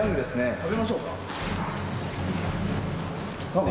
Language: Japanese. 食べましょうか。